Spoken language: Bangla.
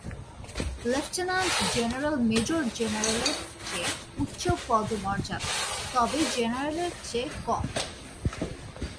লেফটেন্যান্ট জেনারেল মেজর জেনারেলের চেয়ে উচ্চ পদমর্যাদার, তবে জেনারেলের চেয়ে কম।